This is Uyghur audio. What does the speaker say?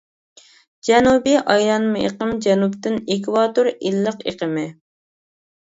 جەنۇبىي ئايلانما ئېقىم جەنۇبتىن ئېكۋاتور ئىللىق ئېقىمى.